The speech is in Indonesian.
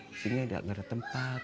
di sini nggak ada tempat